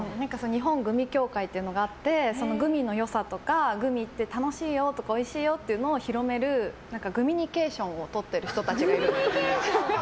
日本グミ協会っていうのがあって、グミの良さとか楽しいよとかおいしいよっていうのを広めるグミニケーションをとっている人たちがいて。